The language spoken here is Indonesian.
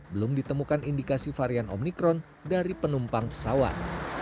belum ditemukan indikasi varian omikron dari penumpang pesawat